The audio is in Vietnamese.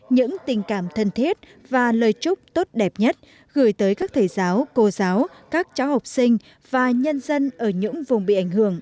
những tình cảm thân thiết và lời chúc tốt đẹp nhất gửi tới các thầy giáo cô giáo các cháu học sinh và nhân dân ở những vùng bị ảnh hưởng